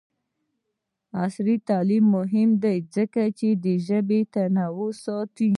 عصري تعلیم مهم دی ځکه چې د ژبو تنوع ساتي.